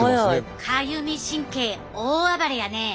かゆみ神経大暴れやね。